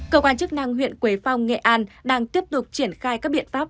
cơ quan chức năng huyện quế phong nghệ an đang tiếp tục triển khai các biện pháp